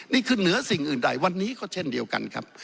นี่คือเหนือสิ่งอื่นใดวันนี้ก็เช่นเดียวกันครับ